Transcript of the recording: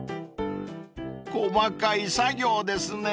［細かい作業ですね］